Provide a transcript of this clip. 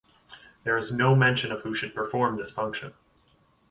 There is no mention of who should perform this function.